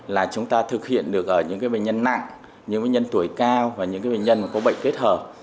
là chúng ta thực hiện được ở những bệnh nhân nặng những bệnh nhân tuổi cao và những bệnh nhân có bệnh kết hợp